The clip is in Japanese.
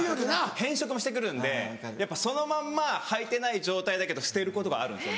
変色もして来るんでやっぱそのまんま履いてない状態だけど捨てることがあるんですよ